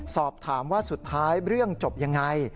สอบถามว่าสุดท้ายเรื่องจบยังไง